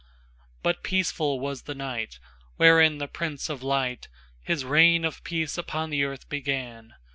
VBut peaceful was the nightWherein the Prince of LightHis reign of peace upon the earth began.